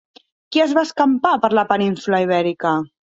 Qui es va escampar per la península Ibèrica?